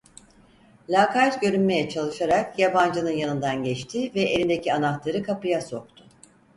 Lakayt görünmeye çalışarak yabancının yanından geçti ve elindeki anahtarı kapıya soktu.